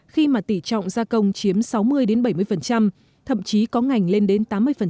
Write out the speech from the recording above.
khi mà tỷ trọng gia công chiếm sáu mươi bảy mươi thậm chí có ngành lên đến tám mươi